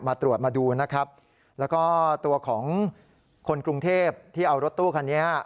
มาตรวจมาดูนะครับแล้วก็ตัวของคนกรุงเทพที่เอารถตู้คันนี้